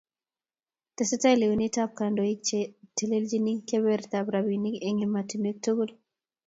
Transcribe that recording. Tesetai lewenet ab kandoik chetelelchini kebebertab rabinik eng' emotunuek tugul